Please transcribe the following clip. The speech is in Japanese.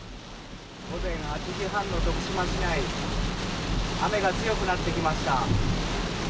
午前８時半の徳島市内、雨が強くなってきました。